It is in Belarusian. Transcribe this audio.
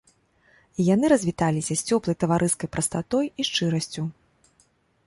І яны развіталіся з цёплай таварыскай прастатой і шчырасцю.